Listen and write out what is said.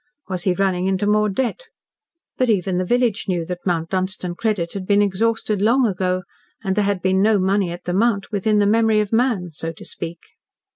Was he running into more debt? But even the village knew that Mount Dunstan credit had been exhausted long ago, and there had been no money at the Mount within the memory of man, so to speak.